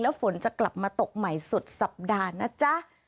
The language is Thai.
ฝนจะกลับมาตกใหม่สุดสัปดาห์นะจ๊ะ